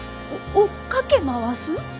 お追っかけ回す？